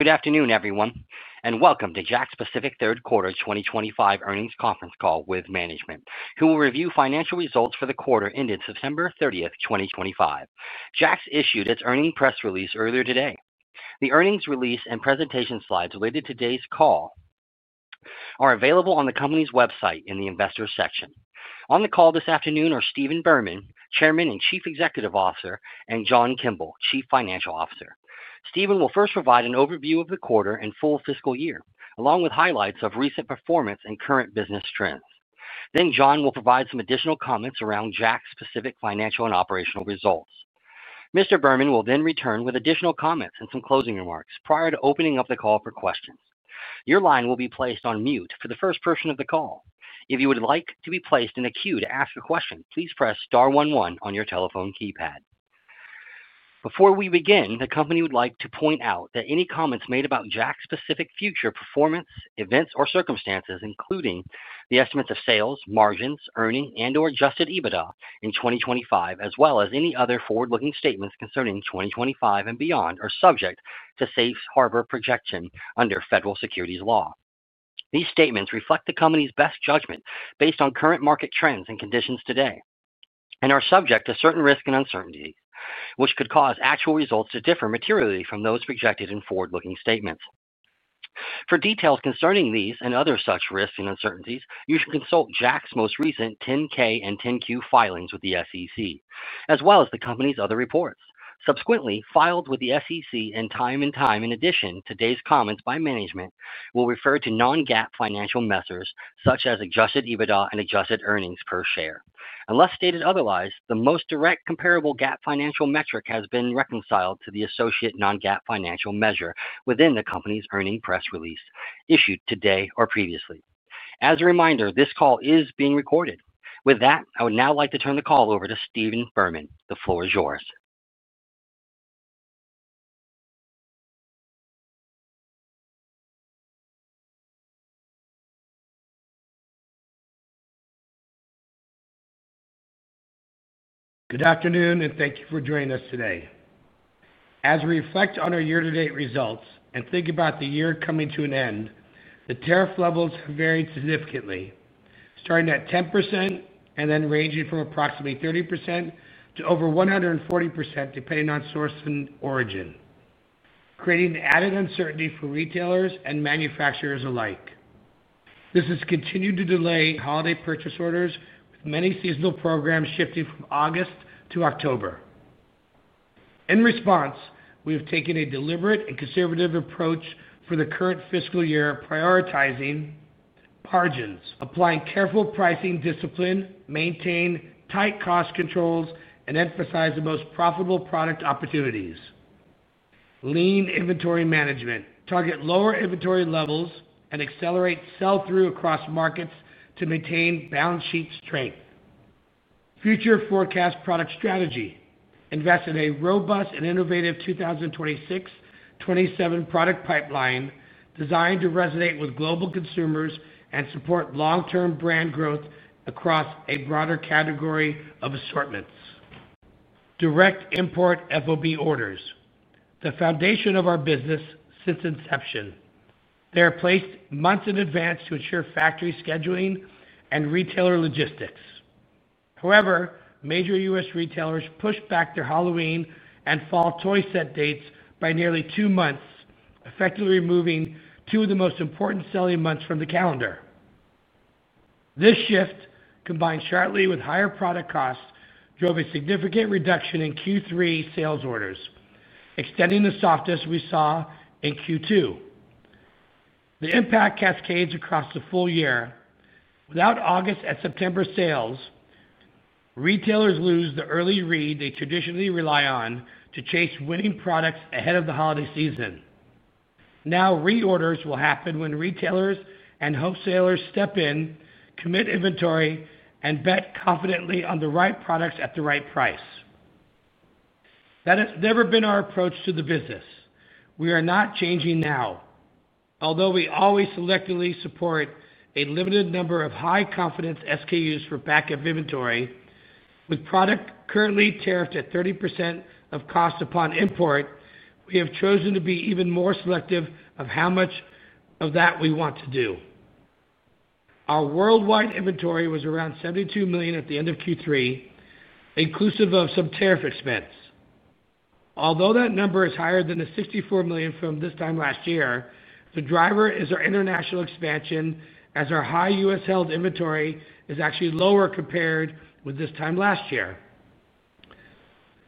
Good afternoon, everyone, and welcome to JAKKS Pacific Third Quarter 2025 earnings conference call with management, who will review financial results for the quarter ended September 30, 2025. JAKKS issued its earnings press release earlier today. The earnings release and presentation slides related to today's call are available on the company's website in the investor section. On the call this afternoon are Stephen Berman, Chairman and Chief Executive Officer, and John Kimble, Chief Financial Officer. Stephen will first provide an overview of the quarter and full fiscal year, along with highlights of recent performance and current business trends. John will provide some additional comments around JAKKS Pacific's financial and operational results. Mr. Berman will then return with additional comments and some closing remarks prior to opening up the call for questions. Your line will be placed on mute for the first portion of the call. If you would like to be placed in a queue to ask a question, please press star one one on your telephone keypad. Before we begin, the company would like to point out that any comments made about JAKKS Pacific's future performance, events, or circumstances, including the estimates of sales, margins, earnings, and/or adjusted EBITDA in 2025, as well as any other forward-looking statements concerning 2025 and beyond, are subject to safe harbor protection under federal securities law. These statements reflect the company's best judgment based on current market trends and conditions today and are subject to certain risks and uncertainties, which could cause actual results to differ materially from those projected in forward-looking statements. For details concerning these and other such risks and uncertainties, you should consult JAKKS's most recent 10-K and 10-Q filings with the SEC, as well as the company's other reports subsequently filed with the SEC from time to time. In addition, today's comments by management will refer to non-GAAP financial measures such as adjusted EBITDA and adjusted earnings per share. Unless stated otherwise, the most direct comparable GAAP financial metric has been reconciled to the associated non-GAAP financial measure within the company's earnings press release issued today or previously. As a reminder, this call is being recorded. With that, I would now like to turn the call over to Stephen Berman. The floor is yours. Good afternoon, and thank you for joining us today. As we reflect on our year-to-date results and think about the year coming to an end, the tariff levels have varied significantly, starting at 10% and then ranging from approximately 30% to over 140%, depending on source and origin, creating added uncertainty for retailers and manufacturers alike. This has continued to delay holiday purchase orders, with many seasonal programs shifting from August to October. In response, we have taken a deliberate and conservative approach for the current fiscal year, prioritizing margins, applying careful pricing discipline, maintaining tight cost controls, and emphasizing the most profitable product opportunities. Lean inventory management, targeting lower inventory levels and accelerating sell-through across markets to maintain balance sheet strength. Future forecast product strategy invests in a robust and innovative 2026-2027 product pipeline designed to resonate with global consumers and support long-term brand growth across a broader category of assortments. Direct import FOB orders, the foundation of our business since inception, are placed months in advance to ensure factory scheduling and retailer logistics. However, major U.S. retailers pushed back their Halloween and fall toy set dates by nearly two months, effectively removing two of the most important selling months from the calendar. This shift, combined sharply with higher product costs, drove a significant reduction in Q3 sales orders, extending the softness we saw in Q2. The impact cascades across the full year. Without August and September sales, retailers lose the early read they traditionally rely on to chase winning products ahead of the holiday season. Now, reorders will happen when retailers and wholesalers step in, commit inventory, and bet confidently on the right products at the right price. That has never been our approach to the business. We are not changing now. Although we always selectively support a limited number of high-confidence SKUs for backup inventory, with product currently tariffed at 30% of cost upon import, we have chosen to be even more selective of how much of that we want to do. Our worldwide inventory was around $72 million at the end of Q3, inclusive of some tariff expense. Although that number is higher than the $64 million from this time last year, the driver is our international expansion, as our high U.S. held inventory is actually lower compared with this time last year.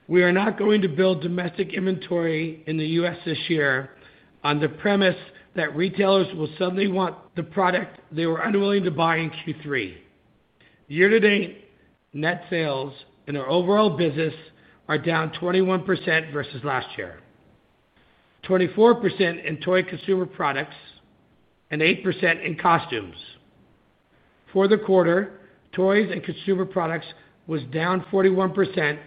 We are not going to build domestic inventory in the U.S. this year on the premise that retailers will suddenly want the product they were unwilling to buy in Q3. Year-to-date net sales in our overall business are down 21% vs last year, 24% in toy consumer products and 8% in costumes. For the quarter, toys and consumer products were down 41%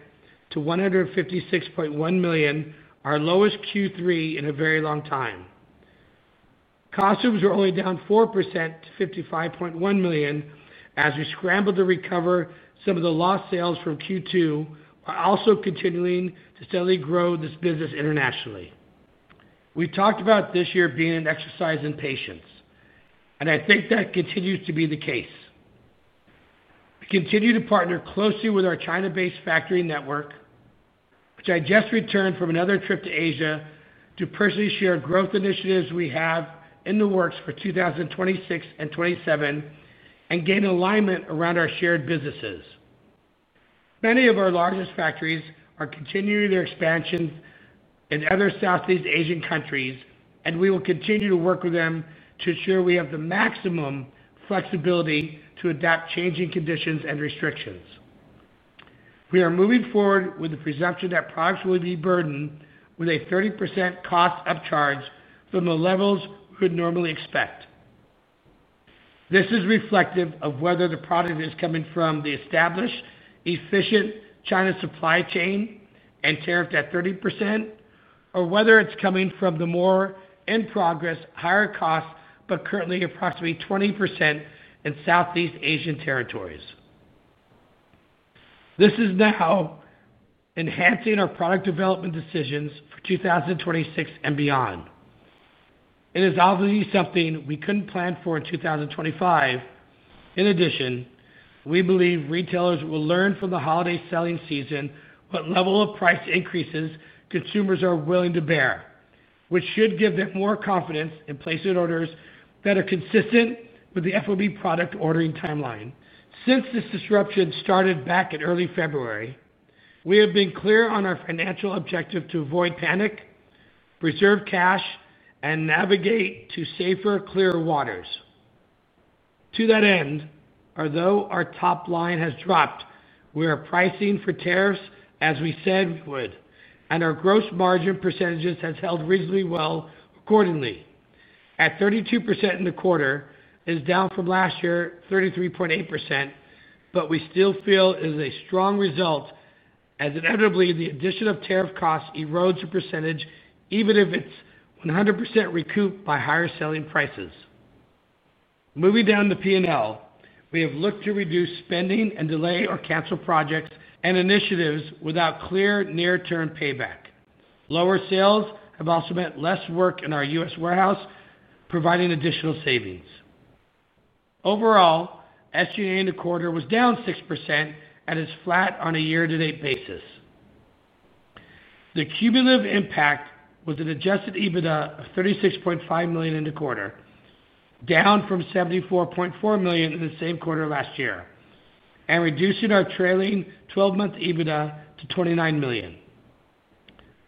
to $156.1 million, our lowest Q3 in a very long time. Costumes were only down 4% to $55.1 million as we scrambled to recover some of the lost sales from Q2 while also continuing to steadily grow this business internationally. We talked about this year being an exercise in patience, and I think that continues to be the case. We continue to partner closely with our China-based factory network, which I just returned from another trip to Asia to personally share growth initiatives we have in the works for 2026 and 2027 and gain alignment around our shared businesses. Many of our largest factories are continuing their expansion in other Southeast Asian countries, and we will continue to work with them to ensure we have the maximum flexibility to adapt to changing conditions and restrictions. We are moving forward with the presumption that products will be burdened with a 30% cost upcharge from the levels we would normally expect. This is reflective of whether the product is coming from the established, efficient China supply chain and tariffed at 30%, or whether it's coming from the more in progress, higher cost, but currently approximately 20% in Southeast Asian territories. This is now enhancing our product development decisions for 2026 and beyond. It is obviously something we couldn't plan for in 2025. In addition, we believe retailers will learn from the holiday selling season what level of price increases consumers are willing to bear, which should give them more confidence in placing orders that are consistent with the FOB product ordering timeline. Since this disruption started back in early February, we have been clear on our financial objective to avoid panic, preserve cash, and navigate to safer, clearer waters. To that end, although our top line has dropped, we are pricing for tariffs as we said we would, and our gross margin percentages have held reasonably well accordingly. At 32% in the quarter, it is down from last year's 33.8%, but we still feel it is a strong result. As inevitably the addition of tariff costs erodes a %, even if it's 100% recouped by higher selling prices. Moving down the P&L, we have looked to reduce spending and delay or cancel projects and initiatives without clear near-term payback. Lower sales have also meant less work in our U.S. warehouse, providing additional savings. Overall, SGA in the quarter was down 6% and is flat on a year-to-date basis. The cumulative impact was an Adjusted EBITDA of $36.5 million in the quarter, down from $74.4 million in the same quarter last year, and reducing our trailing 12-month EBITDA to $29 million.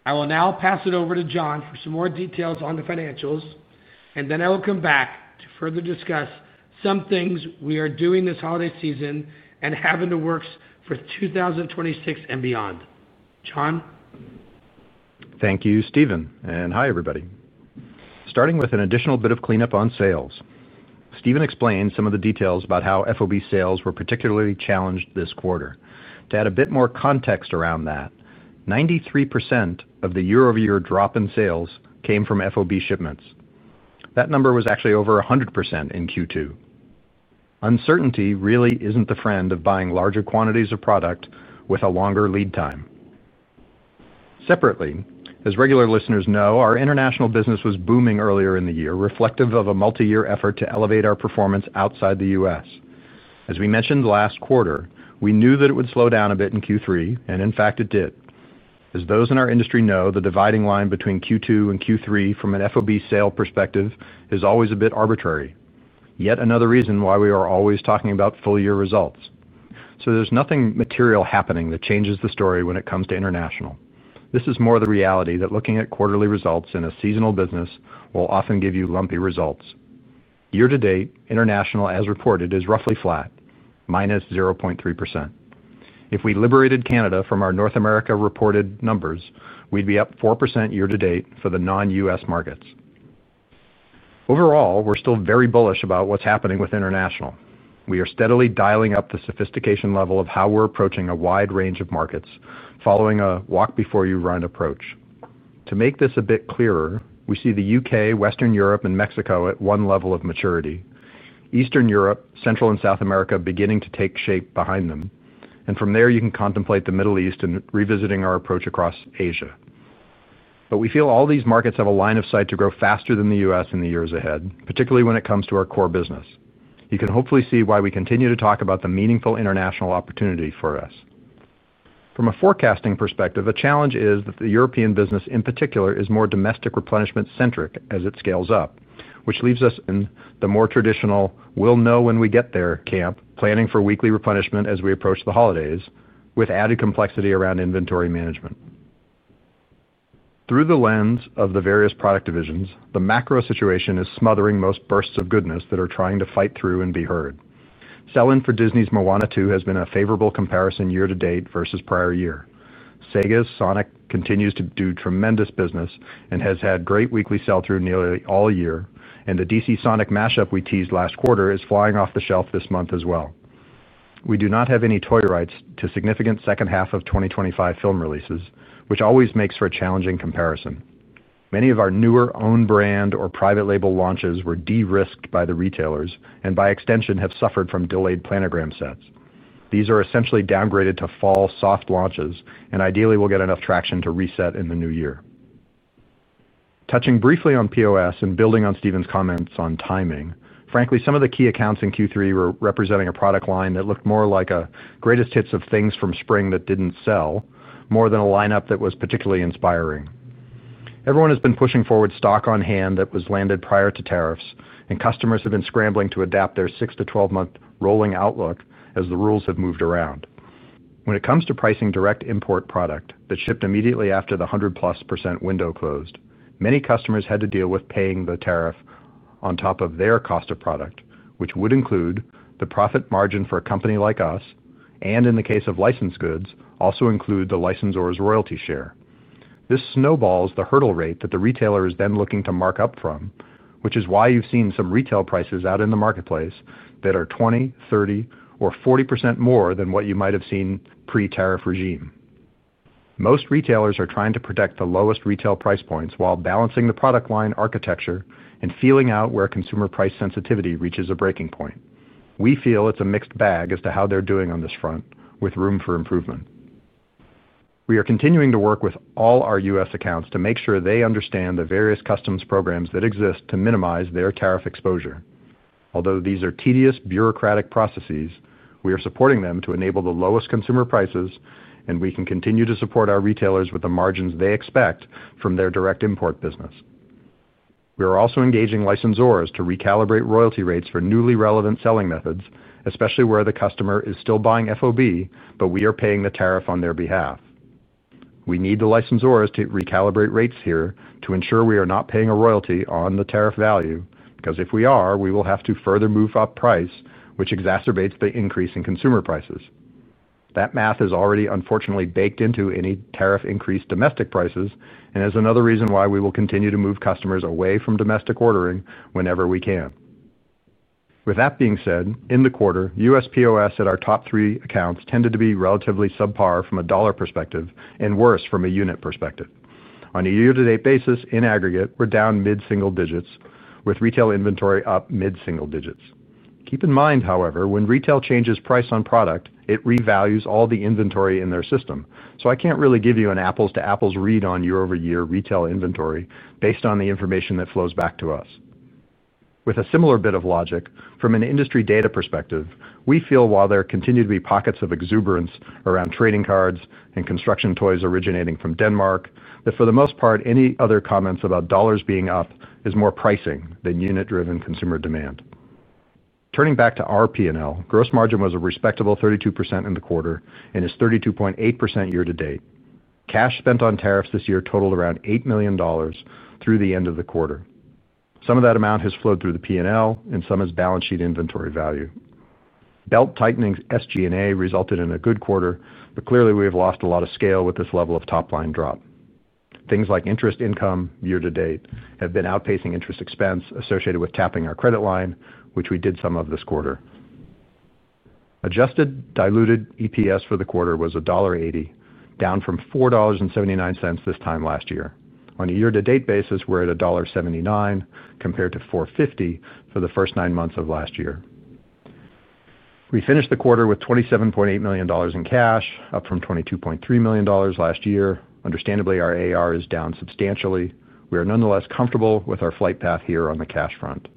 I will now pass it over to John for some more details on the financials, and then I will come back to further discuss some things we are doing this holiday season and have in the works for 2026 and beyond. John. Thank you, Stephen. Hi, everybody. Starting with an additional bit of cleanup on sales, Stephen explained some of the details about how FOB sales were particularly challenged this quarter. To add a bit more context around that, 93% of the year-over-year drop in sales came from FOB shipments. That number was actually over 100% in Q2. Uncertainty really isn't the friend of buying larger quantities of product with a longer lead time. Separately, as regular listeners know, our international business was booming earlier in the year, reflective of a multi-year effort to elevate our performance outside the U.S. As we mentioned last quarter, we knew that it would slow down a bit in Q3, and in fact, it did. As those in our industry know, the dividing line between Q2 and Q3 from an FOB sale perspective is always a bit arbitrary, yet another reason why we are always talking about full-year results. There is nothing material happening that changes the story when it comes to international. This is more the reality that looking at quarterly results in a seasonal business will often give you lumpy results. Year-to-date, international, as reported, is roughly flat, -0.3%. If we liberated Canada from our North America reported numbers, we'd be up 4% year-to-date for the non-US markets. Overall, we're still very bullish about what's happening with international. We are steadily dialing up the sophistication level of how we're approaching a wide range of markets, following a walk-before-you-run approach. To make this a bit clearer, we see the U.K., Western Europe, and Mexico at one level of maturity, with Eastern Europe, Central and South America beginning to take shape behind them. From there, you can contemplate the Middle East and revisiting our approach across Asia. We feel all these markets have a line of sight to grow faster than the U.S. in the years ahead, particularly when it comes to our core business. You can hopefully see why we continue to talk about the meaningful international opportunity for us. From a forecasting perspective, a challenge is that the European business, in particular, is more domestic replenishment-centric as it scales up, which leaves us in the more traditional "we'll know when we get there" camp, planning for weekly replenishment as we approach the holidays, with added complexity around inventory management. Through the lens of the various product divisions, the macro-situation is smothering most bursts of goodness that are trying to fight through and be heard. Selling for Disney's Moana 2 has been a favorable comparison year-to-date vs prior year. Sega Sonic continues to do tremendous business and has had great weekly sell-through nearly all year, and the DC Sonic mash-up we teased last quarter is flying off the shelf this month as well. We do not have any toy rights to significant second half of 2025 film releases, which always makes for a challenging comparison. Many of our newer own-brand or private label launches were de-risked by the retailers and, by extension, have suffered from delayed planogram sets. These are essentially downgraded to fall soft launches and ideally will get enough traction to reset in the new year. Touching briefly on POS and building on Stephen's comments on timing, frankly, some of the key accounts in Q3 were representing a product line that looked more like a greatest hits of things from spring that didn't sell more than a lineup that was particularly inspiring. Everyone has been pushing forward stock on hand that was landed prior to tariffs, and customers have been scrambling to adapt their 6 month-12 month rolling outlook as the rules have moved around. When it comes to pricing direct import product that shipped immediately after the 100+% window closed, many customers had to deal with paying the tariff on top of their cost of product, which would include the profit margin for a company like us and, in the case of licensed goods, also include the licensor's royalty share. This snowballs the hurdle rate that the retailer is then looking to mark up from, which is why you've seen some retail prices out in the marketplace that are 20%, 30%, or 40% more than what you might have seen pre-tariff regime. Most retailers are trying to protect the lowest retail price points while balancing the product line architecture and feeling out where consumer price sensitivity reaches a breaking point. We feel it's a mixed bag as to how they're doing on this front, with room for improvement. We are continuing to work with all our US accounts to make sure they understand the various customs programs that exist to minimize their tariff exposure. Although these are tedious, bureaucratic processes, we are supporting them to enable the lowest consumer prices, and we can continue to support our retailers with the margins they expect from their direct import business. We are also engaging licensors to recalibrate royalty rates for newly relevant selling methods, especially where the customer is still buying FOB, but we are paying the tariff on their behalf. We need the licensors to recalibrate rates here to ensure we are not paying a royalty on the tariff value, because if we are, we will have to further move up price, which exacerbates the increase in consumer prices. That math is already unfortunately baked into any tariff-increased domestic prices and is another reason why we will continue to move customers away from domestic ordering whenever we can. With that being said, in the quarter, US POS at our top three accounts tended to be relatively subpar from a dollar perspective and worse from a unit perspective. On a year-to-date basis, in aggregate, we're down mid-single digits, with retail inventory up mid-single digits. Keep in mind, however, when retail changes price on product, it revalues all the inventory in their system. I can't really give you an apples-to-apples read on year-over-year retail inventory based on the information that flows back to us. With a similar bit of logic, from an industry data perspective, we feel while there continue to be pockets of exuberance around trading cards and construction toys originating from Denmark, that for the most part, any other comments about dollars being up is more pricing than unit-driven consumer demand. Turning back to our P&L, gross margin was a respectable 32% in the quarter and is 32.8% year-to-date. Cash spent on tariffs this year totaled around $8 million through the end of the quarter. Some of that amount has flowed through the P&L, and some is balance sheet inventory value. Belt tightening SG&A resulted in a good quarter, but clearly we have lost a lot of scale with this level of top line drop. Things like interest income year-to-date have been outpacing interest expense associated with tapping our credit line, which we did some of this quarter. Adjusted diluted EPS for the quarter was $1.80, down from $4.79 this time last year. On a year-to-date basis, we're at $1.79 compared to $4.50 for the first nine months of last year. We finished the quarter with $27.8 million in cash, up from $22.3 million last year. Understandably, our AR is down substantially. We are nonetheless comfortable with our flight path here on the cash front.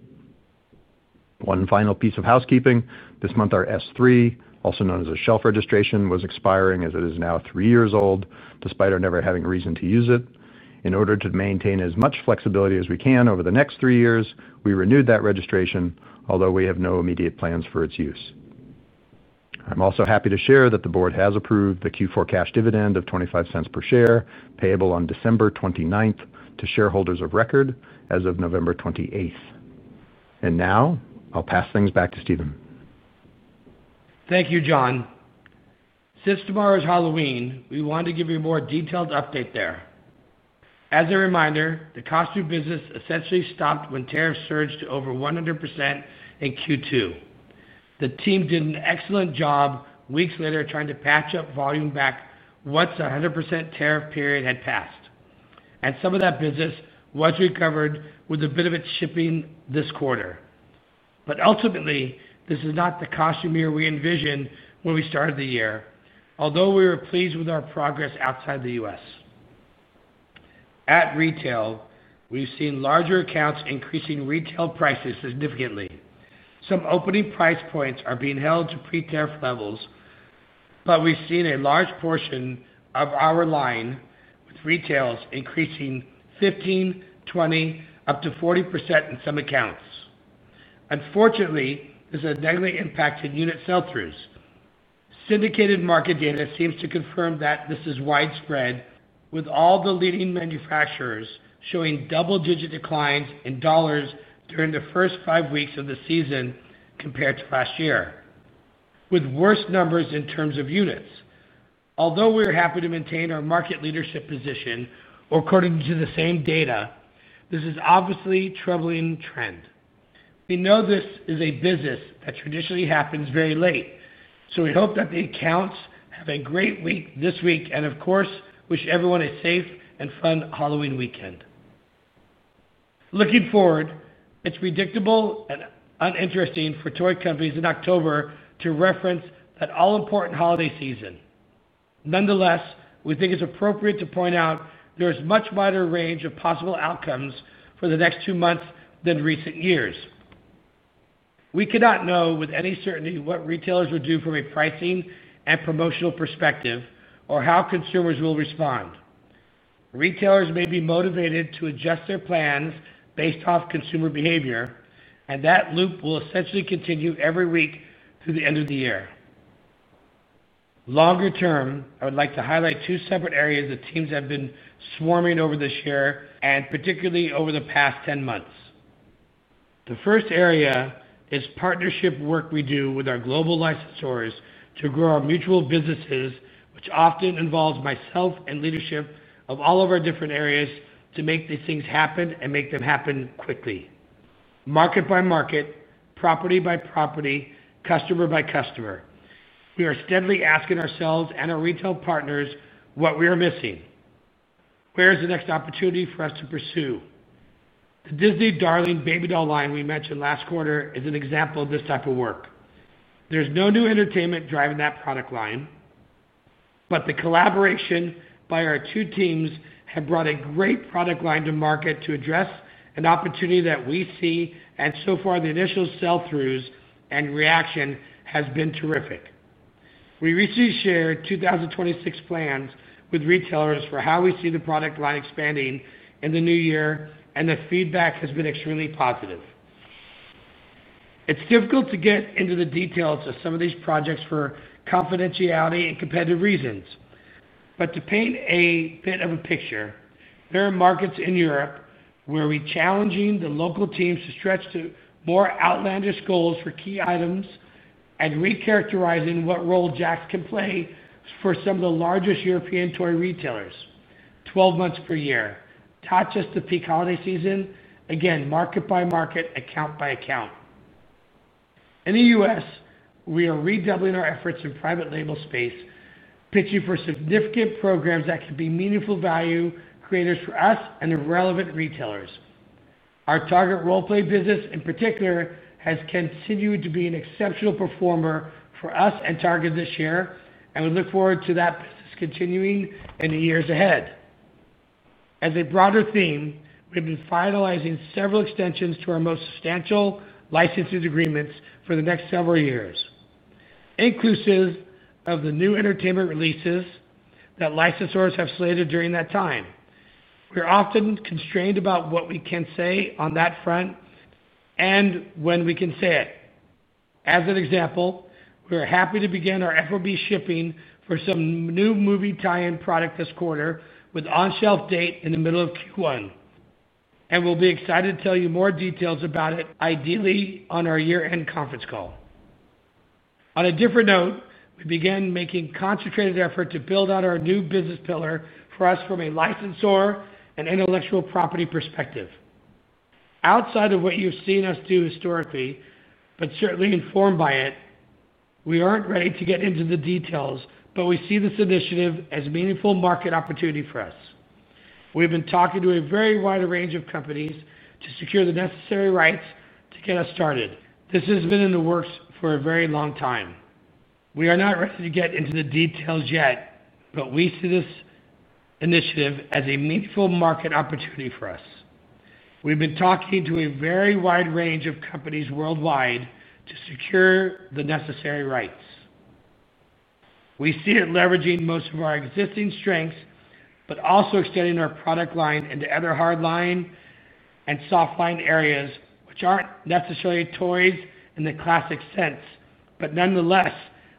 One final piece of housekeeping: this month, our S-3, also known as a Shelf Registration, was expiring as it is now three years old, despite our never having reason to use it. In order to maintain as much flexibility as we can over the next three years, we renewed that registration, although we have no immediate plans for its use. I'm also happy to share that the board has approved the Q4 cash dividend of $0.25 per share, payable on December 29 to shareholders of record as of November 28. Now, I'll pass things back to Stephen. Thank you, John. Since tomorrow's Halloween, we wanted to give you a more detailed update there. As a reminder, the cost of business essentially stopped when tariffs surged to over 100% in Q2. The team did an excellent job weeks later trying to patch up volume back once the 100% tariff period had passed. Some of that business was recovered with a bit of it shipping this quarter. Ultimately, this is not the costumier we envisioned when we started the year, although we were pleased with our progress outside the U.S. At retail, we've seen larger accounts increasing retail prices significantly. Some opening price points are being held to pre-tariff levels, but we've seen a large portion of our line with retails increasing 15%, 20%, up to 40% in some accounts. Unfortunately, this has negatively impacted unit sell-throughs. Syndicated market data seems to confirm that this is widespread, with all the leading manufacturers showing double-digit declines in dollars during the first five weeks of the season compared to last year, with worse numbers in terms of units. Although we're happy to maintain our market leadership position, according to the same data, this is obviously a troubling trend. We know this is a business that traditionally happens very late, so we hope that the accounts have a great week this week and, of course, wish everyone a safe and fun Halloween weekend. Looking forward, it's predictable and uninteresting for toy companies in October to reference that all-important holiday season. Nonetheless, we think it's appropriate to point out there is a much wider range of possible outcomes for the next two months than recent years. We cannot know with any certainty what retailers will do from a pricing and promotional perspective or how consumers will respond. Retailers may be motivated to adjust their plans based off consumer behavior, and that loop will essentially continue every week through the end of the year. Longer term, I would like to highlight two separate areas that teams have been swarming over this year and particularly over the past 10 months. The first area is partnership work we do with our global licensors to grow our mutual businesses, which often involves myself and leadership of all of our different areas to make these things happen and make them happen quickly. Market by market, property by property, customer by customer. We are steadily asking ourselves and our retail partners what we are missing. Where is the next opportunity for us to pursue? The Disney Darling Babydoll line we mentioned last quarter is an example of this type of work. There's no new entertainment driving that product line, but the collaboration by our two teams has brought a great product line to market to address an opportunity that we see. So far, the initial sell-throughs and reaction have been terrific. We recently shared 2026 plans with retailers for how we see the product line expanding in the new year, and the feedback has been extremely positive. It's difficult to get into the details of some of these projects for confidentiality and competitive reasons. To paint a bit of a picture, there are markets in Europe where we are challenging the local teams to stretch to more outlandish goals for key items and re-characterizing what role JAKKS Pacific can play for some of the largest European toy retailers, 12 months per year, not just the peak holiday season. Market by market, account by account. In the U.S., we are redoubling our efforts in private label space, pitching for significant programs that can be meaningful value creators for us and relevant retailers. Our target role-play business, in particular, has continued to be an exceptional performer for us and targeted this year, and we look forward to that business continuing in the years ahead. As a broader theme, we've been finalizing several extensions to our most substantial licensing agreements for the next several years, inclusive of the new entertainment releases that licensors have slated during that time. We're often constrained about what we can say on that front and when we can say it. As an example, we're happy to begin our FOB shipping for some new movie tie-in product this quarter with on-shelf date in the middle of Q1. We'll be excited to tell you more details about it, ideally on our year-end conference call. On a different note, we began making a concentrated effort to build out our new business pillar for us from a licensor and intellectual property perspective. Outside of what you've seen us do historically, but certainly informed by it, we aren't ready to get into the details, but we see this initiative as a meaningful market opportunity for us. We've been talking to a very wide range of companies to secure the necessary rights to get us started. This has been in the works for a very long time. We are not ready to get into the details yet, but we see this initiative as a meaningful market opportunity for us. We've been talking to a very wide range of companies worldwide to secure the necessary rights. We see it leveraging most of our existing strengths, but also extending our product line into other hardline and softline areas, which aren't necessarily toys in the classic sense. Nonetheless,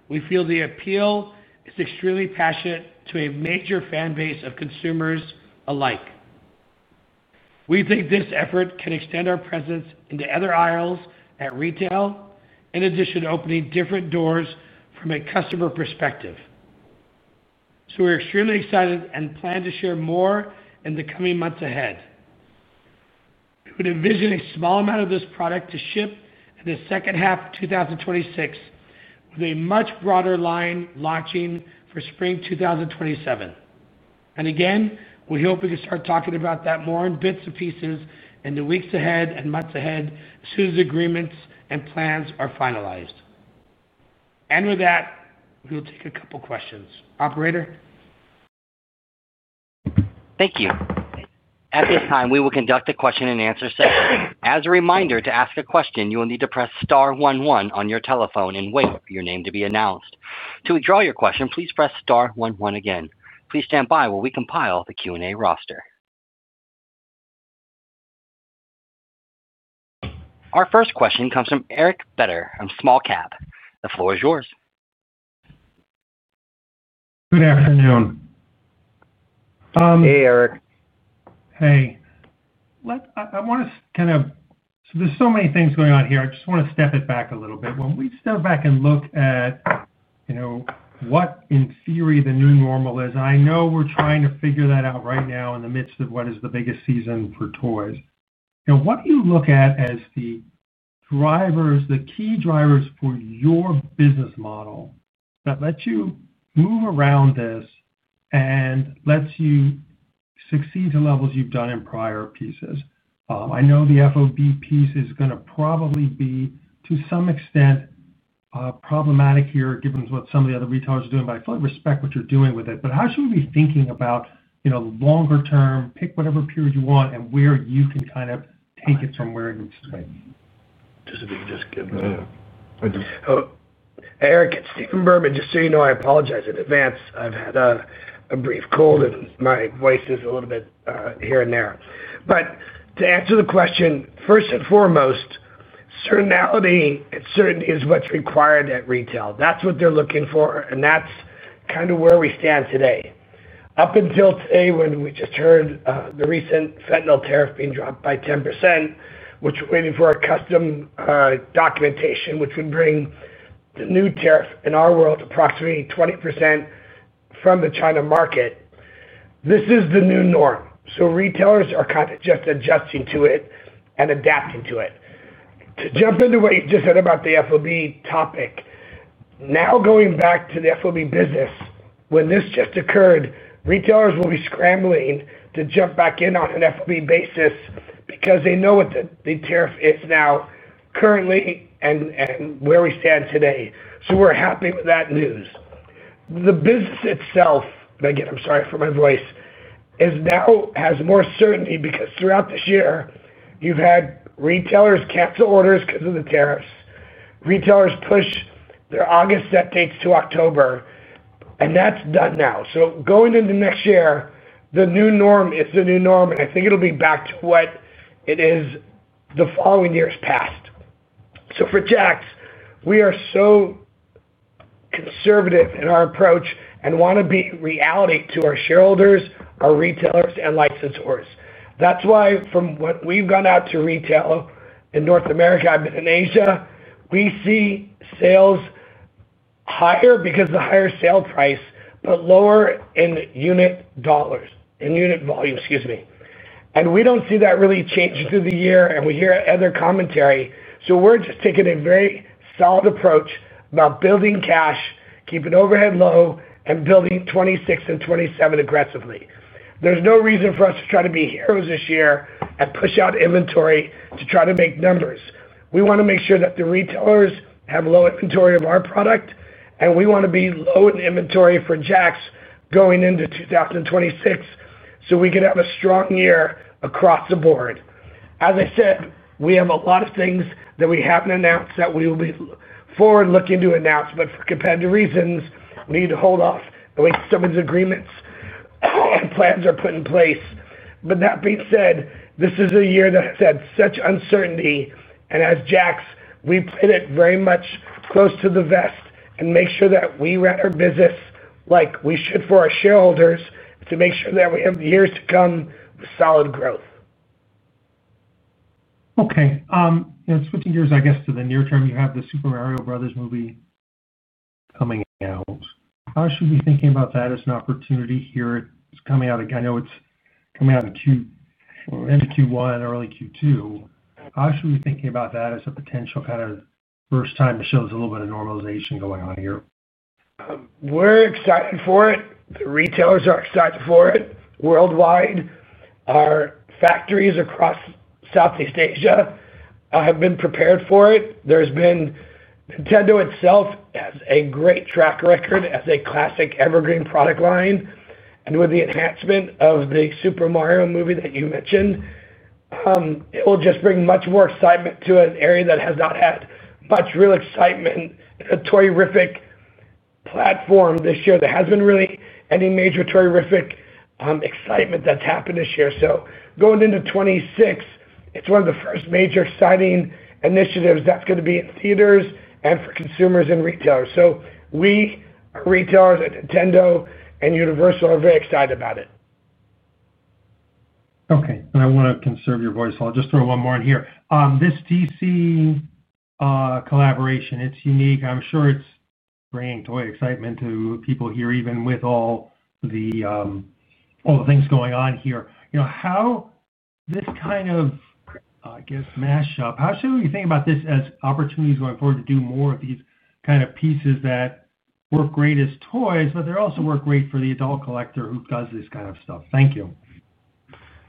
we feel the appeal is extremely passionate to a major fan base of consumers alike. We think this effort can extend our presence into other aisles at retail, in addition to opening different doors from a customer perspective. We are extremely excited and plan to share more in the coming months ahead. We envision a small amount of this product to ship in the second half of 2026, with a much broader line launching for spring 2027. We hope we can start talking about that more in bits and pieces in the weeks ahead and months ahead as soon as agreements and plans are finalized. With that, we will take a couple of questions. Operator. Thank you. At this time, we will conduct a question-and-answer session. As a reminder, to ask a question, you will need to press star one one on your telephone and wait for your name to be announced. To withdraw your question, please press star one one again. Please stand by while we compile the Q&A roster. Our first question comes from Eric Beder from Small Cap Consumer Research. The floor is yours. Good afternoon. Hey, Eric. Hey. I want to kind of—there's so many things going on here. I just want to step it back a little bit. When we step back and look at what, in theory, the new normal is, and I know we're trying to figure that out right now in the midst of what is the biggest season for toys. What do you look at as the key drivers for your business model that lets you move around this and lets you succeed to levels you've done in prior pieces? I know the FOB piece is going to probably be, to some extent, problematic here, given what some of the other retailers are doing. I fully respect what you're doing with it. How should we be thinking about longer term? Pick whatever period you want and where you can kind of take it from where it needs to be? If you could just give me a— Eric, it's Stephen Berman. Just so you know, I apologize in advance. I've had a brief cold, and my voice is a little bit here and there. To answer the question, first and foremost, certainty is what's required at retail. That's what they're looking for, and that's kind of where we stand today. Up until today, when we just heard the recent Fentanyl Tariff being dropped by 10%, we're waiting for our custom documentation, which would bring the new tariff in our world to approximately 20% from the China market. This is the new norm. Retailers are kind of just adjusting to it and adapting to it. To jump into what you just said about the FOB topic, now, going back to the FOB business, when this just occurred, retailers will be scrambling to jump back in on an FOB basis because they know what the tariff is now currently and where we stand today. We're happy with that news. The business itself, again, I'm sorry for my voice, has now more certainty because throughout this year, you've had retailers cancel orders because of the tariffs. Retailers pushed their August set dates to October, and that's done now. Going into next year, the new norm is the new norm, and I think it'll be back to what it is the following years past. For JAKKS, we are so conservative in our approach and want to be a reality to our shareholders, our retailers, and licensors. That's why, from what we've gone out to retail in North America and in Asia, we see sales higher because of the higher sale price, but lower in unit dollars and unit volume, excuse me. We don't see that really change through the year, and we hear other commentary. We're just taking a very solid approach about building cash, keeping overhead low, and building 2026 and 2027 aggressively. There's no reason for us to try to be heroes this year and push out inventory to try to make numbers. We want to make sure that the retailers have low inventory of our product, and we want to be low in inventory for JAKKS going into 2026 so we can have a strong year across the board. As I said, we have a lot of things that we haven't announced that we will be forward-looking to announce, but for competitive reasons, we need to hold off until some of these agreements and plans are put in place. That being said, this is a year that has had such uncertainty. As JAKKS, we play it very much close to the vest and make sure that we run our business like we should for our shareholders to make sure that we have years to come with solid growth. Okay. Switching gears to the near term, you have the Super Mario Brothers movie coming out. How should we be thinking about that as an opportunity here? It's coming out again. I know it's coming out in Q1, early Q2. How should we be thinking about that as a potential kind of first time to show us a little bit of normalization going on here? We're excited for it. The retailers are excited for it worldwide. Our factories across Southeast Asia have been prepared for it. Nintendo itself has a great track record as a classic evergreen product line. With the enhancement of the Super Mario movie that you mentioned, it will just bring much more excitement to an area that has not had much real excitement, a Toy-rific platform this year that hasn't been really any major Toy-rific excitement that's happened this year. Going into 2026, it's one of the first major exciting initiatives that's going to be in theaters and for consumers and retailers. Our retailers at Nintendo and Universal are very excited about it. Okay. I want to conserve your voice, so I'll just throw one more in here. This DC collaboration, it's unique. I'm sure it's bringing toy excitement to people here, even with all the things going on here. How should we be thinking about this as opportunities going forward to do more of these kind of pieces that work great as toys, but they also work great for the adult collector who does this kind of stuff? Thank you.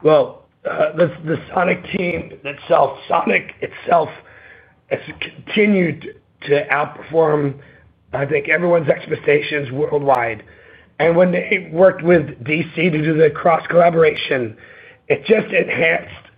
The Sonic team itself, Sonic itself, has continued to outperform, I think, everyone's expectations worldwide. When they worked with DC to do the cross-collaboration, it just enhanced the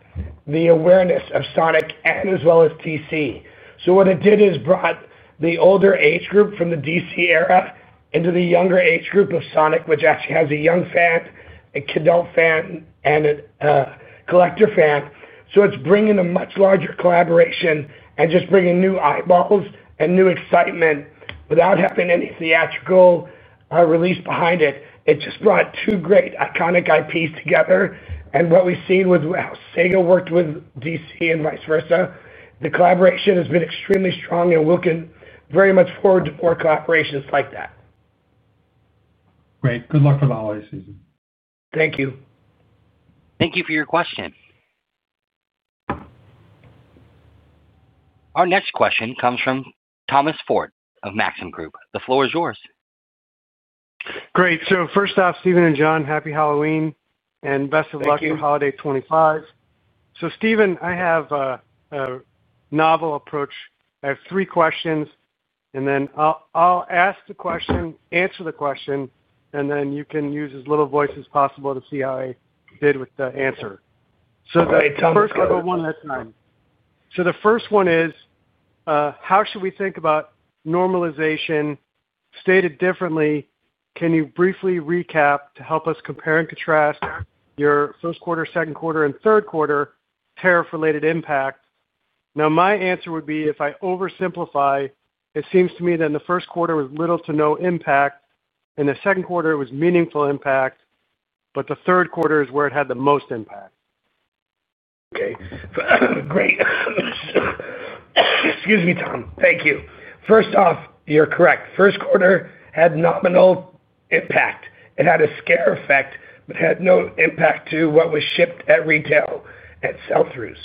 awareness of Sonic as well as DC. What it did is brought the older age group from the DC era into the younger age group of Sonic, which actually has a young fan, a kidult fan, and a collector fan. It's bringing a much larger collaboration and just bringing new eyeballs and new excitement without having any theatrical release behind it. It just brought two great iconic IPs together. What we've seen with how Sega worked with DC and vice versa, the collaboration has been extremely strong, and we're looking very much forward to more collaborations like that. Great. Good luck with the holiday season. Thank you. Thank you for your question. Our next question comes from Thomas Forte of Maxim Group. The floor is yours. Great. First off, Stephen and John, happy Halloween and best of luck with holiday 2025. Stephen, I have a novel approach. I have three questions, and then I'll ask the question, answer the question, and then you can use as little voice as possible to see how I did with the answer. The first one is, how should we think about normalization? Stated differently, can you briefly recap to help us compare and contrast your first quarter, second quarter, and third quarter tariff-related impact? My answer would be, if I oversimplify, it seems to me that in the first quarter, it was little to no impact. In the second quarter, it was meaningful impact, but the third quarter is where it had the most impact. Okay. Great. Thank you. First off, you're correct. First quarter had nominal impact. It had a scare effect, but had no impact to what was shipped at retail at sell-throughs.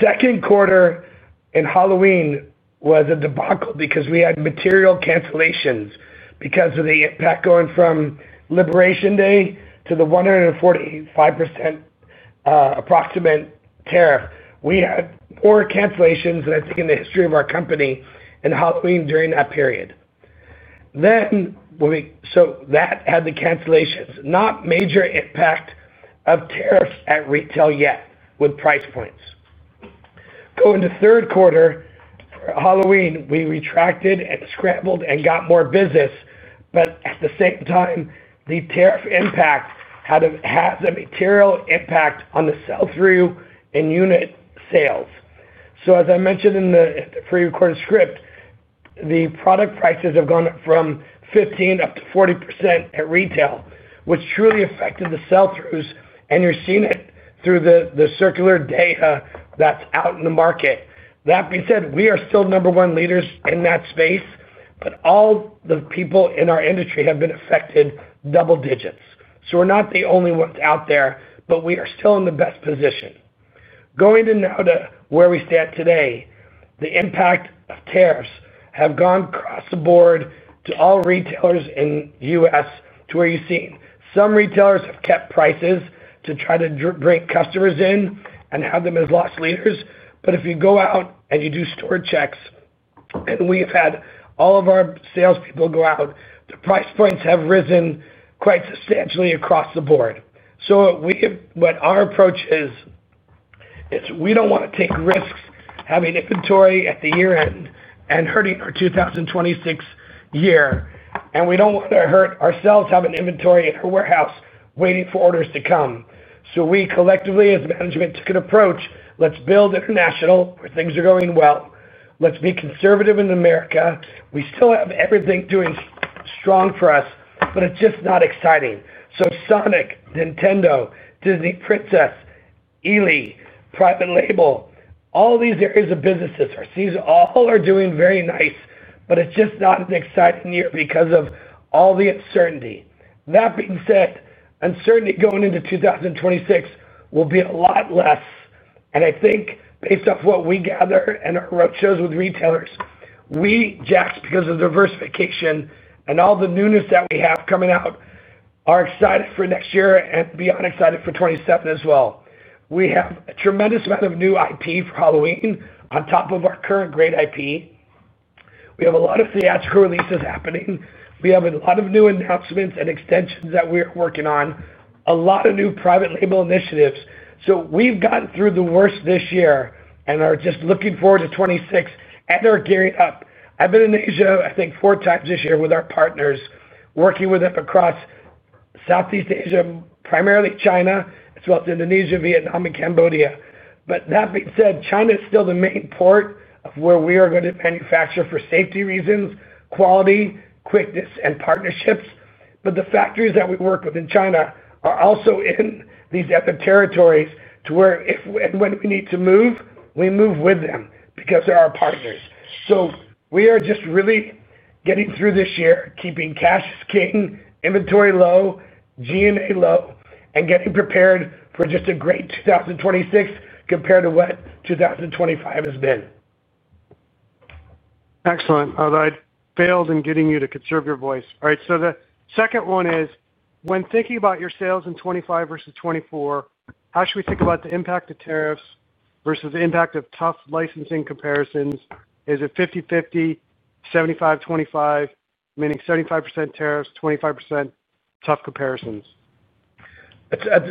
Second quarter in Halloween was a debacle because we had material cancellations because of the impact going from Liberation Day to the 145% approximate tariff. We had more cancellations than I think in the history of our company in Halloween during that period. That had the cancellations. Not major impact of tariffs at retail yet with price points. Going to third quarter, Halloween, we retracted and scrambled and got more business, but at the same time, the tariff impact had a material impact on the sell-through and unit sales. As I mentioned in the pre-recorded script, the product prices have gone up from 15% up to 40% at retail, which truly affected the sell-throughs, and you're seeing it through the circular data that's out in the market. That being said, we are still number one leaders in that space, but all the people in our industry have been affected double-digits. We're not the only ones out there, but we are still in the best position. Now, where we stand today, the impact of tariffs has gone across the board to all retailers in the U.S. to where you've seen. Some retailers have kept prices to try to bring customers in and have them as loss leaders. If you go out and you do store checks, and we've had all of our salespeople go out, the price points have risen quite substantially across the board. What our approach is, is we don't want to take risks having inventory at the year-end and hurting our 2026 year. We don't want to hurt ourselves having inventory at our warehouse waiting for orders to come. We collectively, as management, took an approach: let's build international where things are going well. Let's be conservative in America. We still have everything strong for us, but it's just not exciting. Sonic, Nintendo, Disney Princess, Ely, private label, all these areas of businesses all are doing very nice, but it's just not an exciting year because of all the uncertainty. That being said, uncertainty going into 2026 will be a lot less. I think, based off what we gather and our roadshows with retailers, we, JAKKS Pacific, because of diversification and all the newness that we have coming out, are excited for next year and beyond excited for 2027 as well. We have a tremendous amount of new IP for Halloween on top of our current great IP. We have a lot of theatrical releases happening. We have a lot of new announcements and extensions that we are working on, a lot of new private label initiatives. We've gotten through the worst this year and are just looking forward to 2026 and are gearing up. I've been in Asia, I think, four times this year with our partners, working with them across Southeast Asia, primarily China, as well as Indonesia, Vietnam, and Cambodia. That being said, China is still the main port of where we are going to manufacture for safety reasons, quality, quickness, and partnerships. The factories that we work with in China are also in these other territories to where if and when we need to move, we move with them because they're our partners. We are just really getting through this year, keeping cash as king, inventory low, G&A low, and getting prepared for just a great 2026 compared to what 2025 has been. Excellent. I failed in getting you to conserve your voice. All right. The second one is, when thinking about your sales in 2025 vs 2024, how should we think about the impact of tariffs vs the impact of tough licensing comparisons? Is it 50/50, 75/25, meaning 75% tariffs, 25% tough comparisons?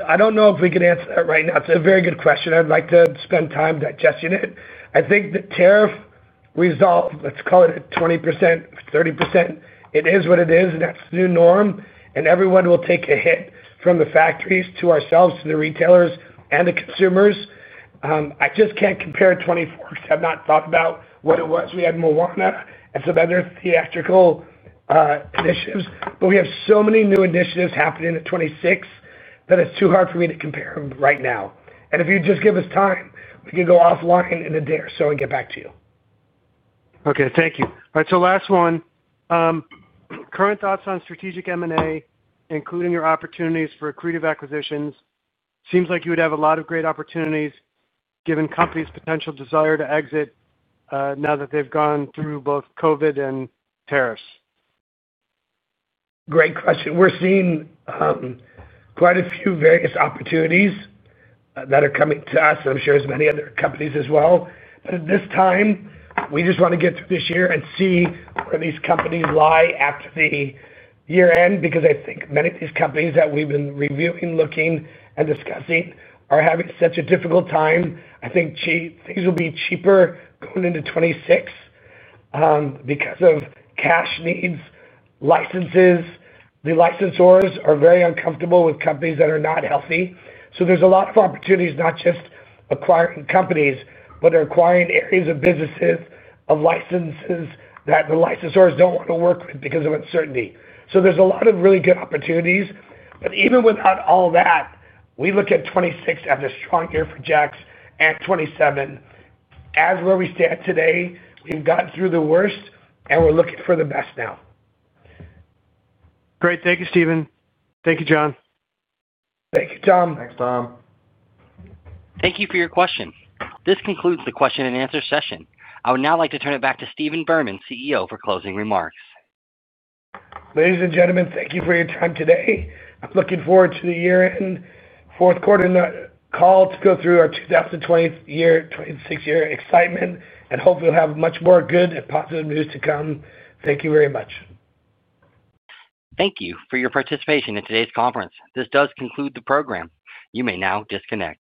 I don't know if we can answer that right now. It's a very good question. I'd like to spend time digesting it. I think the tariff result, let's call it 20%, 30%, it is what it is, and that's the new norm. Everyone will take a hit from the factories to ourselves, to the retailers, and the consumers. I just can't compare 2024 because I've not thought about what it was. We had Moana and some other theatrical initiatives, but we have so many new initiatives happening in 2026 that it's too hard for me to compare them right now. If you just give us time, we can go offline in a day or so and get back to you. Okay. Thank you, all right. Last one, current thoughts on strategic M&A, including your opportunities for accretive acquisitions. Seems like you would have a lot of great opportunities given companies' potential desire to exit now that they've gone through both COVID and tariffs. Great question. We're seeing quite a few various opportunities that are coming to us, and I'm sure there's many other companies as well. At this time, we just want to get through this year and see where these companies lie after the year-end because I think many of these companies that we've been reviewing, looking, and discussing are having such a difficult time. I think things will be cheaper going into 2026 because of cash needs. Licenses, the licensors are very uncomfortable with companies that are not healthy. There's a lot of opportunities, not just acquiring companies, but acquiring areas of businesses of licenses that the licensors don't want to work with because of uncertainty. There's a lot of really good opportunities. Even without all that, we look at 2026 as a strong year for JAKKS at 2027. As where we stand today, we've gotten through the worst, and we're looking for the best now. Great. Thank you, Stephen. Thank you, John. Thank you, Thomas. Thanks, Thomas. Thank you for your question. This concludes the question-and-answer session. I would now like to turn it back to Stephen Berman, CEO, for closing remarks. Ladies and gentlemen, thank you for your time today. I'm looking forward to the year-end fourth quarter call to go through our 2026 year excitement and hope we'll have much more good and positive news to come. Thank you very much. Thank you for your participation in today's conference. This does conclude the program. You may now disconnect.